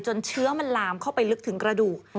เชื้อมันลามเข้าไปลึกถึงกระดูก